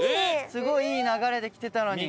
すごいいい流れできてたのに。